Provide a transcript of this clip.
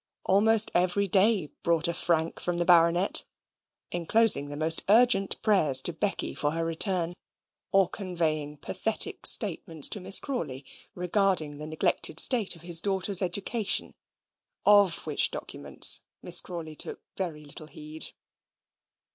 Almost every day brought a frank from the Baronet, enclosing the most urgent prayers to Becky for her return, or conveying pathetic statements to Miss Crawley, regarding the neglected state of his daughters' education; of which documents Miss Crawley took very little heed.